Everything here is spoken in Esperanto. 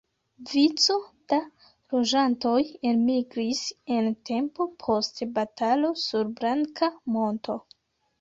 Vico da loĝantoj elmigris en tempo post batalo sur Blanka monto.